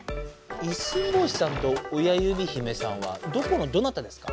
いっすんぼうしさんと親ゆびひめさんはどこのどなたですか？